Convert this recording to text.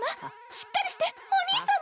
しっかりしてお兄さま。